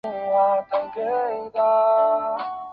实德集团还涉足金融领域。